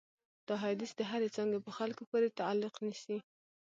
دا حدیث د هرې څانګې په خلکو پورې تعلق نیسي.